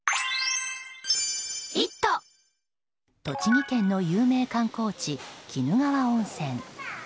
栃木県の有名観光地鬼怒川温泉。